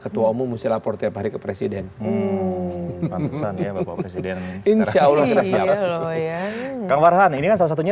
ketua umum musti lapor tiap hari ke presiden insya allah kang warhan ini salah satunya